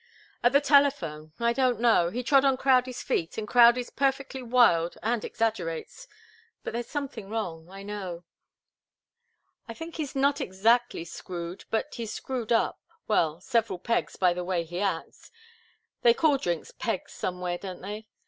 "At the telephone I don't know he trod on Crowdie's feet and Crowdie's perfectly wild and exaggerates. But there's something wrong, I know. I think he's not exactly screwed but he's screwed up well, several pegs, by the way he acts. They call drinks 'pegs' somewhere, don't they?